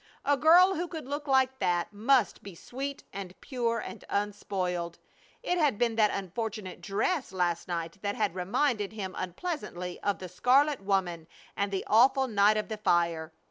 A girl who could look like that must be sweet and pure and unspoiled. It had been that unfortunate dress last night that had reminded him unpleasantly of the scarlet woman and the awful night of the fire.